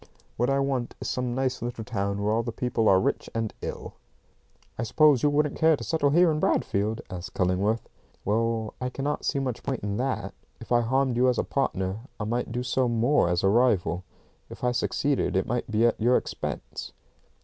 "What I want is some nice little town where all the people are rich and ill." "I suppose you wouldn't care to settle here in Bradfield?" asked Cullingworth. "Well, I cannot see much point in that. If I harmed you as a partner, I might do so more as a rival. If I succeeded it might be at your expense."